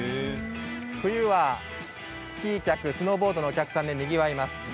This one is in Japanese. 冬はスキー客スノーボードのお客さんでにぎわいます。